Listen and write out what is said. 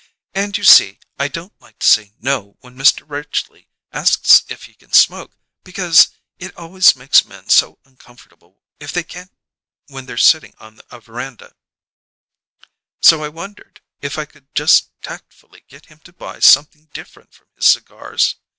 And, you see, I don't like to say 'No' when Mr. Ridgely asks if he can smoke, because it always makes men so uncomfortable if they can't when they're sitting on a veranda, so I wondered if I could just tactfully get him to buy something different from his cigars?